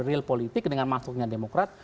real politik dengan masuknya demokrat